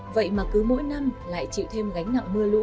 vậy mà cứ mỗi năm lại chịu thêm gánh nặng mưa lũ